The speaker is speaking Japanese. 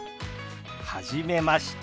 はじめまして。